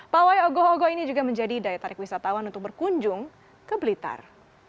pawai ogoh ogo ini juga menjadi daya tarik wisatawan untuk berkunjung ke blitar